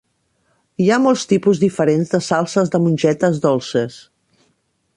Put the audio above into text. Hi ha molts tipus diferents de salses de mongetes dolces.